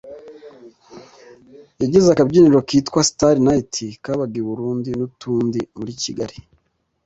yagize akabyiniro kitwa Star Night kabaga i Burundi n’utundi muri Kigali